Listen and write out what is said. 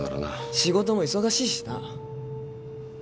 仕事も忙しいしな。